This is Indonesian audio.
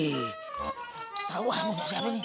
ih tahu lah punya siapa ini